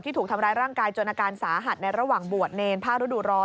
ถูกทำร้ายร่างกายจนอาการสาหัสในระหว่างบวชเนรผ้าฤดูร้อน